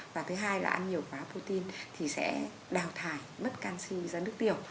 và thứ hai là ăn nhiều quá protein thì sẽ đào thải mất canxi dấn nước tiêu